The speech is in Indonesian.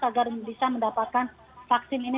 agar bisa mendapatkan vaksin ini